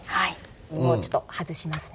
ちょっと外しますね。